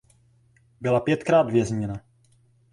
Byla pětkrát vězněna.